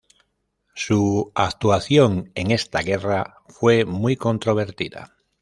Su actuación en esta guerra fue muy controvertida.